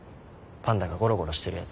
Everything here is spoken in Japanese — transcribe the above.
パンダがゴロゴロしてるやつ。